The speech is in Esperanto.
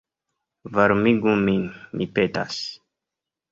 Varmigu min, mi petas.